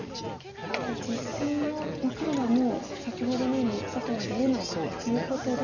そして実戦は黒はもう先ほどのように外は出れないということで。